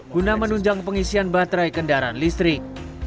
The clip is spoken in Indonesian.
guna menunjang pengisian baterai kendaraan listrik